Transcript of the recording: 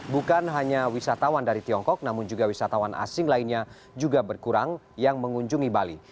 bukan hanya wisatawan dari tiongkok namun juga wisatawan asing lainnya juga berkurang yang mengunjungi bali